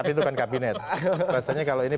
itu kan kabinet rasanya kalau ini